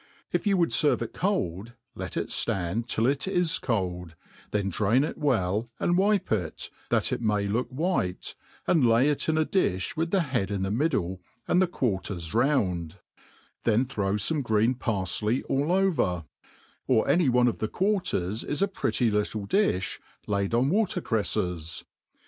If you would ierve it cold, let it ftand till it is cold ^ then drain it well, and wipe it^ that it may look whit> a^d lay it in a difti with the head in the middle, ^d the quarter^ round, then throw fome green parfley all over : or any one of the quarters is a pretty little difti, laid on water creftes.